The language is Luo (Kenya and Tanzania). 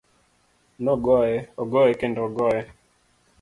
Nogoye, ogoye kendo ogoye.